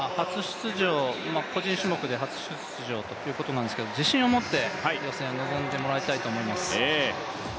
個人初出場ということなんですけど自信を持って予選に臨んでもらいたいと思います。